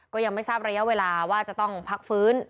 ก็ยังไม่ทราบระยะเวลาว่าจะต้องพักฟื้น